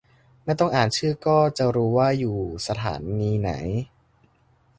ไม่ต้องอ่านชื่อก็จะรู้ว่าอยู่สถานีไหน